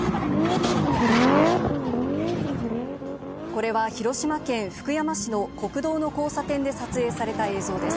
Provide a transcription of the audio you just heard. これは広島県福山市の国道の交差点で撮影された映像です。